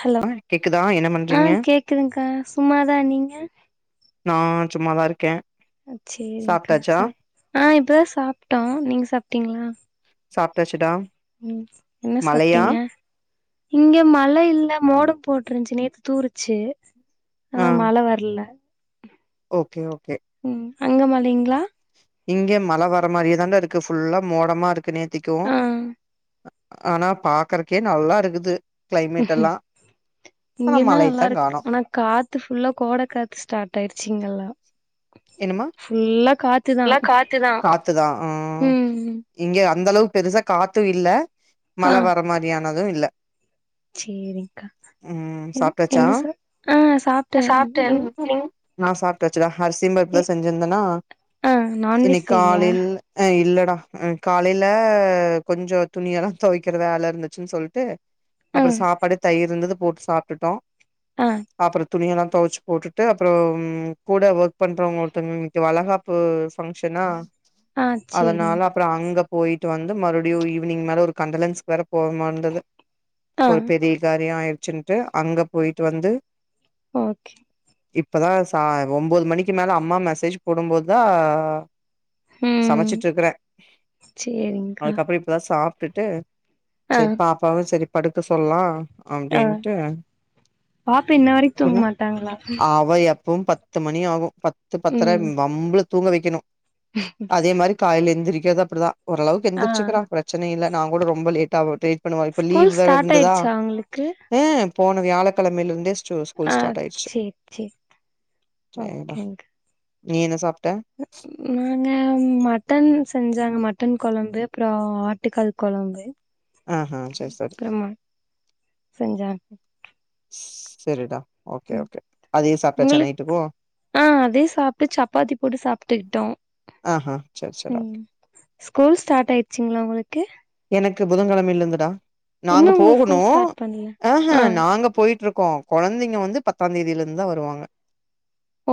Hello ஆ கேக்குதா என்ன பண்றீங்க ஆஹ் கேக்குதுங்க்கா சும்மா தா நீங்க சும்மா தா இருக்கே அ சேரிங்க்கா சாப்ட்டாச்சா சாப் ஆஹ் இப் ப தா சாப்ட்டோ நீங்க சாப்ட்டீங்களா சாப்ட்டாச்சுடா உம் என்ன மழையா சாப்ட்டீங்க இங்க மழ இல்ல மோடோ போட்ருந்ச்சு நேத்து தூருச்சு ஆ ஆனா மழ வர்ல ஓகே ஓகே ம் அங்க மழைங்ளா இங்க மழ வர மாரியே தான்டா இருக்கு ஃபுல்லா மோடமா இருக்கு நேத்திக்கு அ ஆ ஆனா பாக்கறக்கே நல்லாருக்குது இங்க ஆனா தா மழையத்தா நல்லாருக்கு காணோ ஆனா காத்து ஃபுல்லா கோட காத்து ஸ்டாட் ஆயிர்ச்சி இங்கல்ல என்னமா காத்துதா காத்து தா ஆஹ் ம் ம் இங்க அந்தளவுக் பெருசா காத்து இல்ல மழ வர மாரியா னது இல்ல சேரிக்கா ம் என் சாப்ட்டாச்சா என்ன சா ஆஹ் சாப்ட்டே நீங்க நா சாப்ட்டாச்சுடா அர் சி பருப்பு தா செஞ்சிருந்தன்னா ஆ நான்வெஜ் இன்னைக் செய்யலையா காலைல அ இல்ல டா அ காலைல கொஞ்சோ துணியெல்லா தொவைக்கற வேல இருந்துச்சுன் சொல்ட்டு ஆ அப்பறோ சாப்பாடு தயிர்ருந்தது போட்டு சாப்ட்டுட்டோ ஆ அப்பறோ துணியெல்லா தொவச்சு போட்டுட்டு அப்பறோ ம் கூட ஒர்க் பண்றவங்க ஒருத்தவ்ங்க வீட்டு வலகாப்பு ஃபங்க்ஷனா ஆ அதனால சேரிங்க்கா அப்பறோ அங்க போயிட் டு வந்து மறுவ்டியு ஈவினிங் மேல ஒரு கண்டலன்ஸ்க் வேற போக மார்ந்தது ஆ ஒரு பெரிய காரியோ ஆய் ச்சின்ட்டு அங்க போய்ட்டு வந்து ஓகே இப்ப தா சா ஒம்போது மணிக் கு மேல அம்மா மெசேஜ் போடும்போத் தா ம் சமச்சிட்ருக்கறே சேரிங்க்கா அதுக்கப்பறோ இப்ப தா சாப்ட் டுட்டு செரி பாப்பாவு செரி படுக்க சொல்லா அஹ் அப்டின்ட்டு பாப்ப இன்ன வரைக்கு தூங்க மாட்டாங்களா இப்பவு பத்து மணி ஆகு பத்து பத்தரை ம் வம்ப தூங்க வைக்கனு அதே மாரி காலைல எழுந்திரி கேதாப்படிதா ஓளவுக்கு ஆ எந்திரிச்சுக்கிறா பிரச்சன இல்ல நா கூட ரொம்ப லேட்ட ஆ வூட் பண்ணுவ இப்ப ஸ்கூல் லீவ் வே ஸ்டார்ட் இருந்ததா ஆயிருச்சா அவங்களுக்கு ஹ போன வியாழக்கழமையிருந்தே அஹ் செரி செரி சரிடா ஓகேங்கா நீ என்ன சாப் நாங்க மட்டன் செஞ்சாங்க மட் ட்டன் குழம்பு அப்ரோ ஆட்டுக்கால் குழம்பு ஆஹ் ஆஹ் சரி சரி செஞ்சாங்க ஸ்சரிடா உம் உங்களுக்கு ஆஹ் அதே சாப்ட்டு சப்பாத்தி போட்டு சாப்ட்டுக்கிட்டோ ஆஹா செரி செரி உம் ஸ்கூல் ஸ்டார்ட் ஆயிருச்சிங்களா உங்களுக்கு எனக்கு புதன்கிழமைல இருந்துடா நாங்க இன்னு உங்க போகணு ஸ்கூல் ஸ்டார்ட் பண்ல ஆஹ் ஆ ஆஹ் நாங்க போயிட்டு இருக் கோ கொழந்தைங்க வந்து பத்தாந் தேதியில இருந்துந்தா வருவாங்க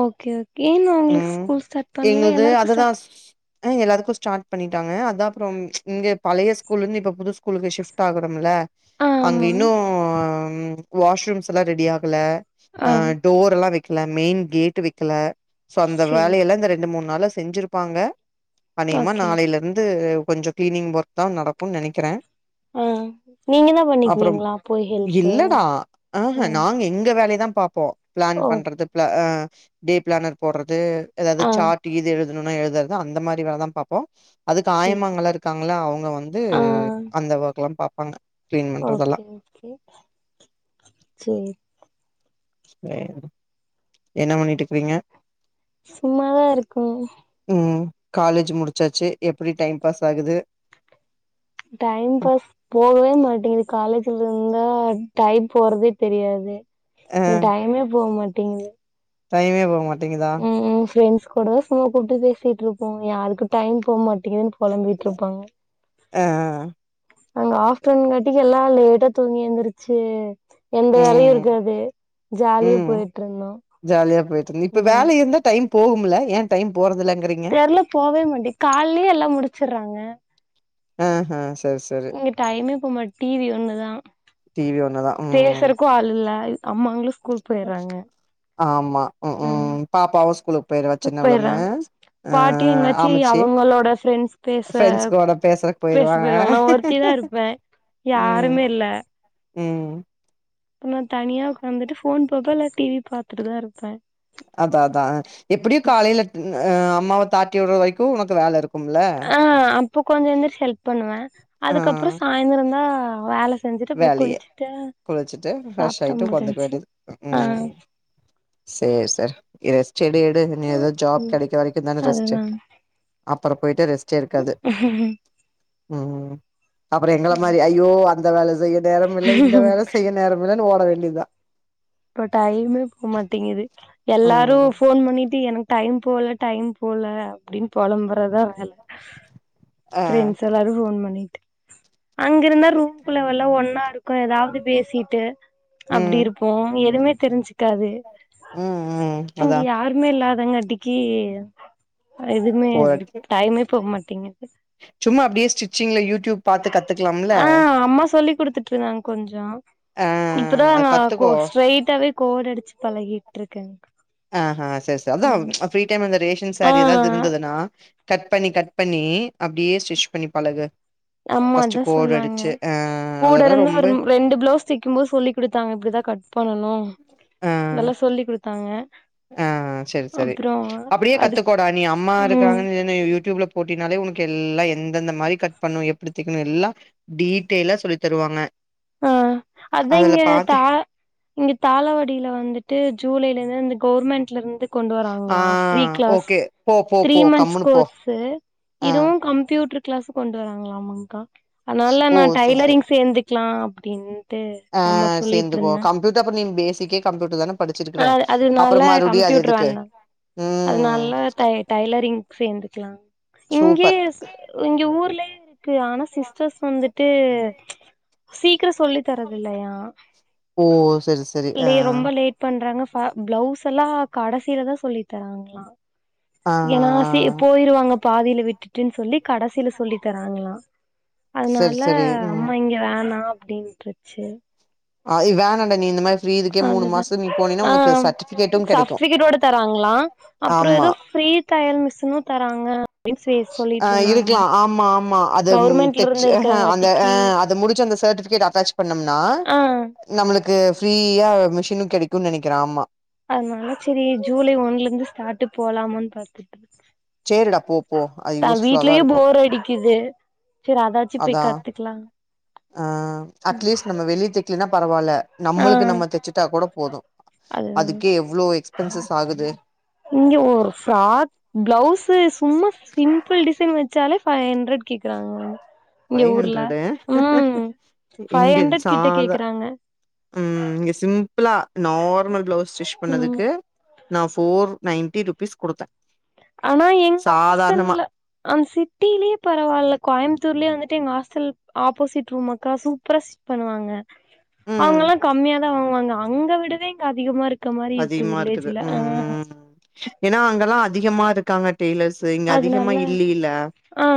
ஓகே ஓகே ஏ அவங்களுக்கு ம் ஸ்கூல் ஸ்டார்ட் பண்ணல எல்லாருக்கு ஸ்டார்ட் ஆஹ் எல்லாதுக்கு ஸ்டார்ட் பண்ணிட்டாங்க அதானா அப்ரோ இங்க பழைய ஸ்குல் ஸ்கூல இருந்து இப்ப புது ஸ்கூலுகு ஷிப்ட் ஆகறம்ல ஆ அங்க ஆமா இன்னு ஆஹ் ம் வாஷ்ரூம்ஸ்லா ரெடி ஆகல ஆ ஆஹ் டோர்லா வ க்கல மெயின் கேட் வைக்கல சோ அந்த சேரி வேலையெல்லா இந்த ரெண்டு மூணு நாலா செஞ்சிருப்பாங்க அனேகமா ஓகே நாளையிலருந்து கொஞ்சோ கிளீனிங் வொர்க்தா நடக் னு நினைக்கிற ஆஹ் நீங்க தா பண்ணிக்குவீங்களா போய் ஹெல்ப்பு இல்லடா ஆஹ ஆஹ் நாங்க எங்க வேலையதா பாப்போ பிளான் பண்றது பிள அ டே ப்ளானர் போட்ற து எதாவ்து ஆ சாட் ஈது எழு துனோனா எழுதற்து அந்த மாரி வேலதா பாப்போ அதுக்கு சேரி ஆயமாங்கல்லா இருக்காங்கள அவுங்க வந் கு ஆ அந்த வ ல்லாம் பாப்பாங்க கிளீன் பண்றதெல்லா ஓகே ஓகே செரி சேரி என்ன பண்ணிட்டு இருக்றிங்க சும்மாதா இருக்கோ ம் காலேஜு முடிச்சாச்சு எப்படி டைம் பாஸ் ஆகுது டைம் பாஸ் போகவே மாட்டேங்குது காலேஜ்ல இருந்தா டைம் போறதே தெரியாது அ இங் டைமே போக மாட் டிங்து டைமே போக மாட் டிங்குதா கூடவே சும்மா கூப்ட்டு பேசிட்ருப்போ யாருக்கு டைம் போக மாட்டிங்துன் பொலம்பிட்ருப்பாங்க அ நாங்க ஹாஸ்டலுங்காட்டிக்கு எல்லா லேட்டா தூங்கி எந்துருச்சு எந்த வேலையு ம் இருக்காது ஜாலியா ம் போயட்ருந்தோ ம் போகுமுல்ல ஏ டைம் போறதில்ல தெர்ல போவே மாட்டிங்கு காலலயே எல்லா முடிச்சர்றாங்க ஆ ஹ இங்க டைமே போ மாட் டி வி ஒண்ணுதா டிவி ஒண்ணுதா ம் பேசறக்கு ஆள் இல்ல அம்மாங்களு ஸ்கூல் போயறாங்க ஆமா ம் ம் பாப்பாவு ஸ்கூலுக்கு போயிருவா போயிர்றா சின்னவளுமு அ பாட்டியு எங்காச்சி அம்மச்சி அவங்களோட ஃப்ரெண்ட்ஸ் பேச ஃப்ரெண்ட்ஸ்கோட பேசறக்கு பேச போயிருவாங்க நா ஒருத்திதா இருப்பே ம் யாருமே ம் அப்ப நா தனியா உக்காந்துட்டு ஃபோன் பாப்ப இல்ல டி வி பாத்துட்டுதா இருப்ப அதா அதா எப்படியு காலைல அ அம்மாவ தாட்டி விடுற வரைக்கு உனக்கு வேல இருக்கு ஆ அப்ப கொஞ்ச எந்திரிச்சு ஹெல்ப் பண்ணுவ ஆ அதுக்கப்பற சாய்ந்தரந்தா ஆ வேல செஞ்சுட்டு அப்றோ வேலையே குளிச்சுட்டு குளிச்சுட்டு ஃப்ரஷ் சாப்ட்டா ஆயிட்டு உக்காந்துக்க முடிஞ்ச்சு வேண்டிது ஆ ம் சேரி சேர் செடியடு இனது ஜாப் ம் கெடைக்கற வரைக்கும்ந்த ரெஸ்ட் அதுதா அப்புறோ போய்ட்டு ரெஸ் [unintelligible] ம் அப்புறோ எங்கள மாதிரி ஐயோ அந்த அந்த வேல செய்ய நேரோ இல்லை இந்த வேலை செய்ய நேரமில்ல ஓட வேண்டியதுதா இப்போ டைம்மே போமாட்டேங்குது எல்லாரு ம் ஃபோன் பண்ணி தி எனக்கு டைம் போல டைம் போல அப்டின்னு புலம்பறதா வேல ஆ ஃபிரெண்ட்ஸ் எல்லாரு ஃபோன் பண்ணி அங்கேருந்தா ரூம்க்குள்ள வெல்லா ஒன்னா இருக்கு ஏதாவது பேசிட்டு அப்டி ம் இருப்போ எதுவுமே தெரிஞ்சுக்காது ம் ம் இங்க அதா யார்மே இல்லாத புதங்கட்டிக்கி எதுவுமே போர் அடிக்கு டைமே போக மாட் எங்க [inaudible] சும்மா அப்டியே ஸ்டிச்சிங்ல இருக் ஆ அம்மா சொல்லி் கொடுத்துட்டு இருந்தாங்க கொஞ்சோ ஆ இப்பதான் அது நா கத்துக்கோ ஸ்ட்ரரைட்டாவே கோடு அடிச்சு பழகிட்டு் இருக்கே ஆ ஆ செரி செரி அ அதா ஃப்ரீ டைம் அந்த [unintelligible] ஆ சாரீ ஏதாவது இருந்ததுன்னா கட் பண்ணி கட் பண்ணி அப்டியே ஸ்டிச் பண்ணி பழகு ஆமா ஃபர்ஸ்ட் அதா கோடு சொன்னாங்க அடிச்சு ஆ கூட அதெல்லா இருந்து ரொம்ப ஒரு ரெண்டு பிளவுஸ் தைக்கும் போது சொல்லி குடுத்தாங்க இப்படிதா கட் பண்ணணு ஆ நல்லா சொல்லிகுடுத் தாங்க ஆ செரி செரி அப்டியே அதுக் கத்துக்கோடா நீ அம்மா ம் இருக்காங்கு யூடியூப்ல போட்டினாலே உனக்கு எல்லா இந்தந்தந்த மாரி கட் பண்ணு எப்டி திக்கணு எல்லா டீட்டெலா சொல்லி தருவாங்க ஆ அதா அதுல இங்க பாத்து தா இங்க தாளவடியில வந்துட்டு ஜூலையிலதா வந் கவர்மெண்ட்லருந்து கொண்டு ஆ வராங்களா ஃபிரீ கிளாஸ் ஓகே போ போ த்ரீ போ மந்த்ஸ் கம்முனு போ கோர்ஸ்ஸு ஆ இதுவும் கம்ப்யூட்ரு கிளாஸு கொண்டு வராங்களாமாங்கா அதனால ஓ நான் சரி சரி டைலரிங் சேர்ந்துக்க ஆ சேர்ந்துக்கோ சொல்லிட்ருந்தே கம்ப்யூட்டர் அப்ப நீ பேசிக்கே கம்ப்யூட்டர் தான் அ அது அதுனால கம்ப்யூட்டர் எதுக்கு வோங்க அதனால ம் டை டைலரிங் சேர்ந்துக்கலாம் இங்கே சூப்பர் இங்க ஊர்லே ஆனா சிஸ்டர்ஸ் வந்துட்டு சீக்கிரம் சொல்லி தரது இல்லையா ஓ சரி சரி ஆ லே ரொம்ப லேட் பிளவுஸ் எல்லாம் கடைசியிலதான் சொல்லி தராங்ளா ஆ ஏன்னா ஆ சி போயிருவாங்க பாதில விட்டுட்டுன்னு சொல்லி கடைசியில சொல்லி தராங்களா சரி அதனால சரி ம் அம்மா இங்க வேணா அப்படின்றுச்சு அ து வேண்டாடா நீ இந்த மாறி அதுதா ஆ சர்டிபிகேட்டும் கெடைக்கு சர்டிபிகேட் ஓட தராங்களா அப்புற ஆமா ஏதோ ஃரீ தயல் மிஷினு தராங்க அப்டின்னு சொ ஆ சொல்லிட்ருந்தாங்க இருக்கலா ஆமா ஆமா அது கவுர்மெண்ட்ல தச்சு இருந்து ஆ இருக்கறங்காட்டிக்கு அந்த முடி அந்த சர்டிபிகேட் அட்டாச் பண்ணம்னா ஆ நம்மளுக்கு அது ஃப்ரீயா மிஷினு கிடைக்கு நினைக்கிறே ஆமா அதனால சரி ஜூலை ஒன்னுல இருந்து ஸ்டார்ட் போலாமானு பாத்துட்டு இருக்க சேரிடா போ போ அது தான் யூஸ்ஃபுல்லா தா வீட்டு்லயே இருக்கு போர் அடிக்குது சரி அதாச்சு அதா போய் கத்துக்கலா ஆ அட்லீஸ்ட் நம்ம வெளி தக்குனா பரவால ஆ நம்ளுக்கு நம்ம தச்சுிட்டா கூட போதும் அதுதா அதுக்கே எவ்ளோ எக்ஸ்பென்சஸ் ஆகுது இங்க ஒரு ஃப்ராக் பிளவுஸ் சும்மா சிம்பிள் டிசைன் வச்சாலே ஃபைவ் ஹண்ட்ரட் கேக்குறாங்க இங்க ஃபைவ் ஊர்ல ஹண்ட்ரடு ம் ஃபைவ் இங்க ஹண்ட்ரட் கிட்ட சாதா கேக்குறாங்க உ இங்க சிம்பிளா நார்மல் பிளவுஸ் ஸ்டிச் ம் பண்ணதுக்கு நா ஃபோர் நைன்ட்டி ருபீஸ் குடுத்தே ஆனா எங்க சாதாரணமா ஹாஸ்டல்ல ஆ சிட்டியிலயே பரவாயில்ல கோயம்பத்தூர்லயே வந்துட் எங்க ஹாஸ்டல் ஆப்போசிட் ரூம் அக்கா சூப்பரா ஸ்டிச் பண்ணுவாங்க அவங்க ம் எல்லா கம்மியா தா வாங்குவாங்க அங்க விடவே இங்க அதிகமா இருக்கு இருக்க மாரி அதிகமா இருக்குது வில்லேஜ்ல ஆ ம்ம் ஏன்னா அங்கல்லாம் அதிகமா இருக்காங்க டெய்லர்ஸ்ு இங்க அதிகமா அதனால இல்லல்ல ஆ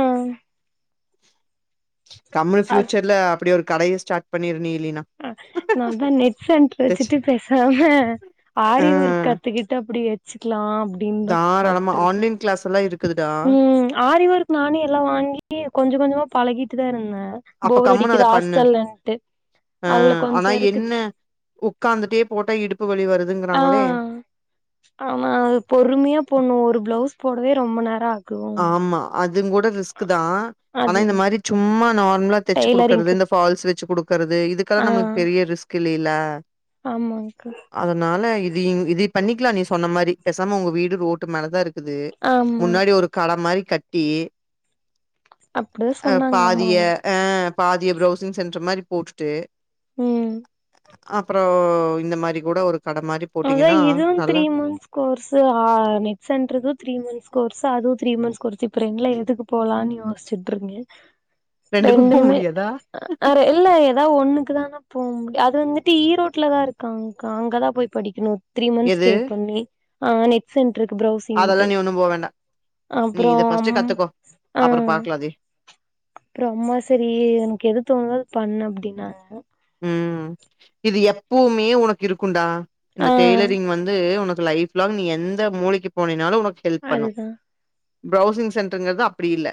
கம்னு அது பியூச்சர்ல அப்டி ஒரு கடை ஸ்டார்ட் பண்ணுரூ நீ இல்லினா ஆ நா வந்து நெட் சென்டர் தெச்சு வச்சுட்டு பேசாம ஆரி ஆ வொர்க் கத்துக்கிட்டு அப்படி வச்சுிக்கலா அப்படனு தான் தாராளமா பாத்து ஆன்லைன் கிளாஸ் எல்லாம் இருக்குதுடா. உம் ஆரி ஒர்க் நானே எல்லாம் வாங்கி கொஞ்சம கொஞ்சமா பழகிட்டு எ தருங்க [unintelligible] அப்ப போரடிக்கது ஆஸ்டல்லண்டது ஆ ஆனா என்ன உக்காந்துட்டே போட்டா இடுப்பு லி வரு ஆஹ் ஆமா பொறுமையா போடணோ ஒரு பிளவுஸ் போடவே ரொம்ப நேர ஆகு ஆமா அது அதுங்கூட ரிஸ்க்தான் ஆனா அது இந்த மாரி சும்மா நாள் [unintelligible] தச்சு குடுக்றது டெய்லரிங்க்கு இந்த பால்ஸ் வச்சு குடுக்க கர்து இதுக்காகா ஆ நம்மளுக்கு பெரிய ரிஸ்க் இல்லைல்ல ஆமாங்க்கா அதனால இது இது பண்ணிக்கலா நீ சொன்ன மாரி பேசாம உங்க வீடு ரோட்டு மேலதா இருக் குது ஆமா முன்னாடி ஒரு ப்ளம் மாரி கட்டி அப்டிதா அ சொன்னாங்க பாதிய அம்மாவு ஆ பாதிய பிரவுசிங் சென்டர் மாரி போட்டுட்டு ம் அப்பறம் இந்த மாரி கூட ஒரு கட மாரி அதா போட்டீங்கன்னா, இதுவும் நல்லா த்ரீ மந்த்ஸ் கோர்ஸ் ஆ நெட் சென்டர்து த்ரீ மந்த்ஸ் கோர்சு அதுவும் த்ரீ மந்த்ஸ் கோர்சு இப்ப ரெண்ட்ல எதுக்கு போலான்னு யோசிச்சுட்டு இருக்கே ரெண்டுக்கும் போ ரெண்டுமே முடியாதா அர இல்ல ஏதாவது ஒண்ணுக்கு தான போக முடிய அது வந்துட்டு ஈரோட்ல தான் இருக்காங்க்கா அங்கதான் போய் படிக்கணும் த்ரீ மந்த்ஸ் எது ஸ்டே பண்ணி ஆஹ் நெட்சென்ட் அதெல்லா நீ ஒண்ணு போ வேண்டா நீ அப்றோ இதை பஃர்ஸ்ட்டு அம் கத்துக்கோ அப்புற பாக்கலாதே அப்றம் அம்மா சரி எனக்கு எது தோணுதோ அது பண்ணு அப்டின்னாங்க உம் இது எப்பவுமே உனக்கு இருக்குண்டா இந்த ஆ டெய்லரிங் வந்து உனக்கு லைப்லாங் நீ எந்த மூளைக்கு போனினாலும் உனக் ஹெல்ப் பண்ணும் அதுதா பிரவுசிங் சென்டருங்கிறது அப்படி இல்ல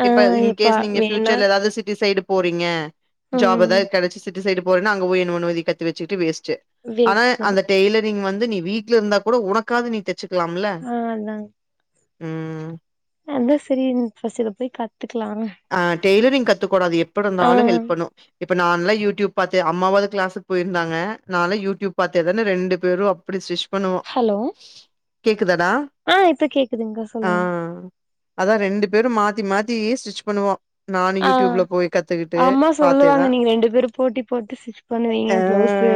ஆ இப்ப எப்பா இன்கேஸ் நீங்க வேணா பியூச்சர்ல ஏதாவது சிட்டி சைடு போறீங்க ஜாப் ம் எதாது கெடச்சி ட்டி சைடு போறனா அங்க போய் என் பண்ணுவ இது கத்து வச்சுட்டு வேஸ் ஞ் ஆனா வேஸ்ட் தா அந்த டெய்லரிங் வந் து நீ வீட்ல இருந்தா கூட உனக்காது நீ த ச்சுக்கலாம்ல ஆ அதா உம் அதா சரி பஸ் இத போய் கத் கத்துக்கலானு ஆ டெய்லரிங் கத்துக்கோடா அது எப் ப்டி இருந்தாலு ஹெல்ப் பண்ணு இப்ப நான்ல்லா யூட்யூப் பாத்தே அம்மாவாது க்ளாஸ்க்கு போய்ருந்தாங்க நாலா யூட்யூப் பாத்தே தான ரெண்டு பேரு அப்டி ஸ்டிச் பண்ணுவோ ஹலோ குதடா ஆ இப்ப கேக்குதுங்க்கா ஆ சொல்லுங்க அதா ரெண்டு பேரு மாத்தி மாத் தே ஸ்டிச் பண்ணுவோ ஆ அம்மா பாத்தே சொல்லுவாங்க தான். நீங்க ரெண்டு பேரு போட்டி போட்டு ஸ்டிச் பண்ணுவீங்க ஆ ப்ளவ்சு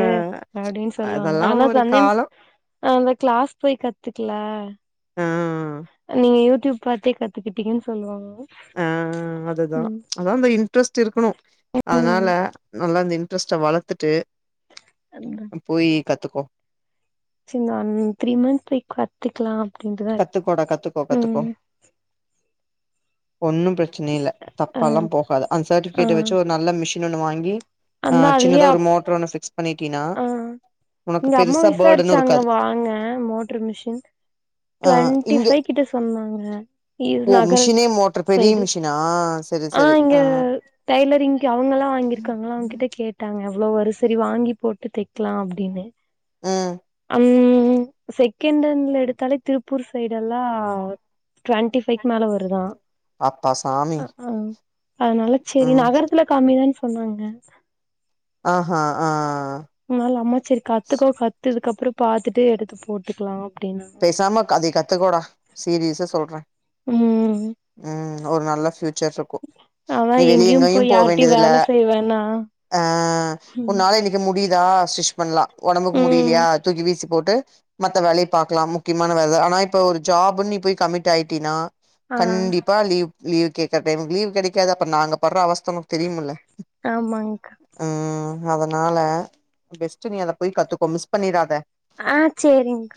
அப்டின் சொல்லுவாங்க அதெல்லாம் ஆனா ஒரு சம்தேம்ஸ் காலம். அந்த க்ளஸ் போய் கத் கத்துக்கல ஆ நீங்க யூ ட்யீப் பாத்தே கத்துக்கிட்டங்கன் சொல்லுவாங்க ம் தா அதா அந்த இன் ட்ரெஸ்ட் இருக்கணு அதனால ம் நல்லா இந்த இன்ட்ரெஸ்ட்ட வளத்துட்டு போயி கத்துக்கோ சி அந் த்ரீ மந்த் பேய் கத்துக்கலா அப்டின்ட்டுதா கத்துக்கோடா கத்துக்கோ இருக்கு கத்துக்கோ ம் ஒன்னு பிச்சன இல்ல ஆ தப்பால்லா போகாது அந்த ஆ சர்டிபிகேட்ட வச்சு ஒரு நல்ல மிஷ் இன்னொண்ணு வாங்கி ஆ அந்த அதுலயே சின்னதா ஒரு அப் மோட்ரு ஒன்ன பிக்ஸ் பண்ணி ஆ எங்க அம்மா பேர்டனு விசாரிச்சாங்க இருக்காது வாங்க மோட்ரு மிஷின் ஆ இங்க டுவண்டிஃபை கிட்ட சொன் வாங்க இவர் ஓ நகர் மிஷினே மோட்டர் பெரிய சைடு மிஷினா சரி சரி ஆஹ் ஆ இங்க டைலரிங்க்கு அவங்கல்லா வாங்கிருக்காங்க அவங்க கிட்ட கேட்டாங்க அவ்ளோ வரு சரி வாங்கி போட்டு தைக்கலா அப்டின்னு உம் உம் செகண்டுன்னு எடுத்தாலே திருப்பூர் சைடுல்லா ட்வெண்டிஃபைக்கு மேல வருதா அப்பா சாமி ஆஹ் அதனால செரி ம் நகரத்துல கம்மிதா சொன்னாங்க ஆஹ்ஹா ஆஹ் முன்னால அம்மா சரி கத்துகோ கத்துக்கப்புற பாத்துட்டு எடுத்து போட்டுக்கலா அப்டின்னாங்க பேசாம க அதை கத்துகோடா சீரீயஸா சொல்றே ம் உம் ஒரு நல்ல பீல் சர்சுக்கும் அதா நீ வெளிய எங்கேயு எங்கயு போய் போக யார்ட்டயு வேண்டியதுல்ல வேல செய்ய வேணா அஹ் உன்னால இன்னைக்கு முடியுதா ஸ்டிச் பண்ணலா ஒடம்புக்கு ம் முடியலையா தூக்கி வீசு போட்டு மத்த வேலயப் பாக்கலா முக்கியமான வேலை ஆனா இப்போ ஒரு ஜாபுன்னு நீ போய் கமிட் ஆயிட்டினா ஆ கண்டிப்பா லீவு லீவ் கேக்குற டைமுக்கு லீவ் கெடைக்காது அப்ப நாங்க படுற அவஸ்த்த த நமக்கு தெரியும்ல ஆமாங்க்கா உஹ்ம் அதனால பெஸ்ட்டு நீ அத போய் கத்துக்கோ மிஸ் பண்ணிடாத ஆஹ் சரிங்க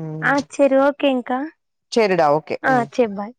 ம் ஆஹ் சரி ஓகேங்கா சேரிடா ஓகே ம் ஆஹ் சரி பாய்